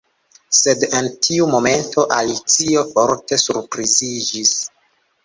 Sed en tiu momento Alicio forte surpriziĝis.